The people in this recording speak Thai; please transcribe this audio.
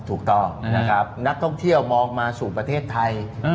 ถูกต้องนะครับนักท่องเที่ยวมองมาสู่ประเทศไทย